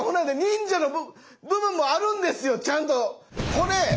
これ